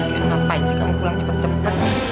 ya ngapain sih kamu pulang cepet cepet